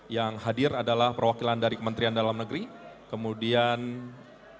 yang hadir adalah perwakilan dari kementerian dalam negeri kemudian pimpinan dari dprd dg jakarta